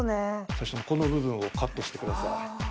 最初にこの部分をカットしてください。